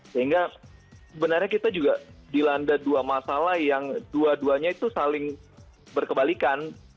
sehingga sebenarnya kita juga dilanda dua masalah yang dua duanya itu saling berkebalikan